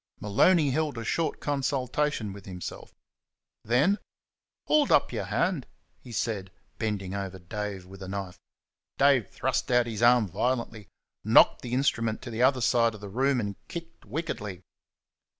Maloney held a short consultation with himself. Then "Hould up yer hand!" he said, bending over Dave with a knife. Dave thrust out his arm violently, knocked the instrument to the other side of the room, and kicked wickedly.